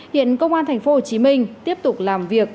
hiện công an tp hcm tiếp tục làm việc